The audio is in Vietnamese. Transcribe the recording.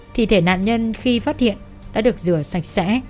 thi thể nạn nhân khi phát hiện đã được rửa sạch sẽ